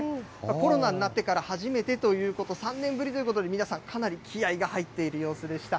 コロナになってから初めてということ、３年ぶりということで、皆さん、かなり気合いが入っている様子でした。